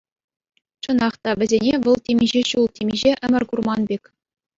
Чӑнах та, вӗсене вӑл темиҫе ҫул, темиҫе ӗмӗр курман пек.